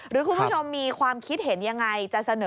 หรือคุณผู้ชมมีความคิดเห็นยังไงจะเสนอ